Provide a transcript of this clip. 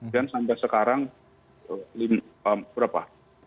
dan sampai sekarang berapa